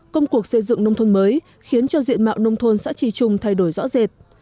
công cuộc xây dựng nông thuần mới khiến cho diện mạo nông thuần xã trì trung thay đổi rõ rệt